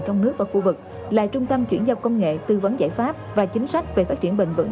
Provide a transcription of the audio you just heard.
trong nước và khu vực là trung tâm chuyển giao công nghệ tư vấn giải pháp và chính sách về phát triển bền vững